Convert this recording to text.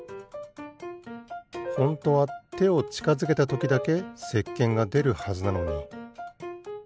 ホントはてをちかづけたときだけせっけんがでるはずなのに。